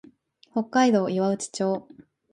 北海道岩内町